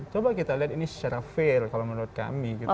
coba kita lihat ini secara fair kalau menurut kami gitu